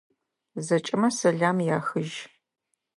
Зэкӏэмэ сэлам яхыжь.